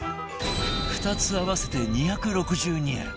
２つ合わせて２６２円